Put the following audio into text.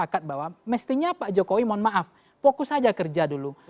sepakat bahwa mestinya pak jokowi mohon maaf fokus aja kerja dulu